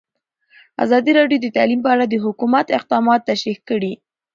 ازادي راډیو د تعلیم په اړه د حکومت اقدامات تشریح کړي.